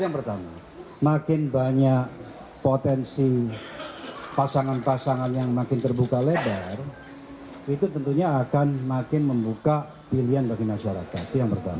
yang pertama makin banyak potensi pasangan pasangan yang makin terbuka lebar itu tentunya akan makin membuka pilihan bagi masyarakat